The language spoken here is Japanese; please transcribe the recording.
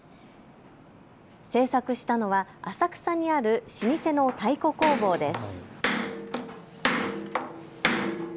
製作したのは浅草にある老舗の太鼓工房です。